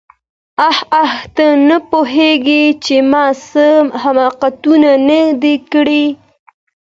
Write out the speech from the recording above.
آخ آخ ته نه پوهېږې چې ما څه حماقتونه نه دي کړي.